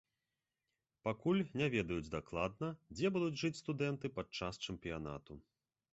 Пакуль не ведаюць дакладна, дзе будуць жыць студэнты падчас чэмпіянату.